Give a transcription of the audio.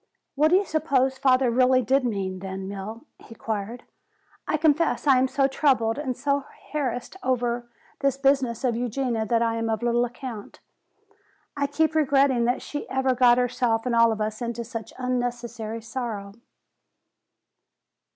"What do you suppose father really did mean, then, Mill?" he queried. "I confess I am so troubled and so harassed over this business of Eugenia that I am of little account. I keep regretting that she ever got herself and all of us into such unnecessary sorrow."